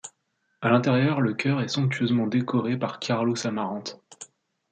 À l'intérieur, le chœur est somptueusement décoré par Carlos Amarante.